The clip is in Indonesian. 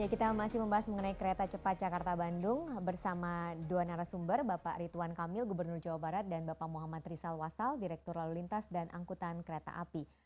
kita masih membahas mengenai kereta cepat jakarta bandung bersama dua narasumber bapak rituan kamil gubernur jawa barat dan bapak muhammad rizal wasal direktur lalu lintas dan angkutan kereta api